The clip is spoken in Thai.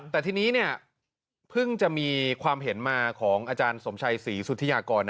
แต่ทีนี้เพิ่งจะมีความเห็นมาของอาจารย์สมชัยศรีสุธิยากร